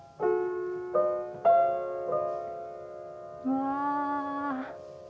わあ。